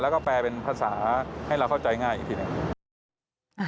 แล้วก็แปลเป็นภาษาให้เราเข้าใจง่ายอีกทีหนึ่ง